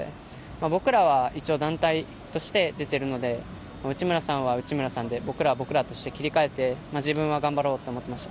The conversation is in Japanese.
僕らは一応団体として出ているので内村さんは内村さんで僕らは僕らとして切り替えて自分は頑張ろうと思ってました。